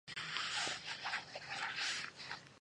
زه د نېکمرغه ژوند هیله لرم.